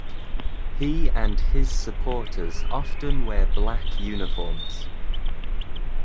He and his supporters often wear black uniforms.